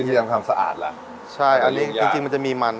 ทำความสะอาดล่ะใช่อันนี้จริงจริงมันจะมีมัน